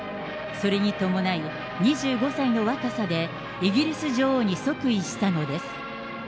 それに伴い、２５歳の若さでイギリス女王に即位したのです。